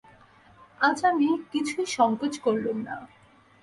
আজ আমি কিছুই সংকোচ করলুম না।